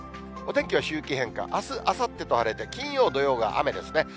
お天気は周期変化、あす、あさってと晴れて金曜、土曜が雨ですね。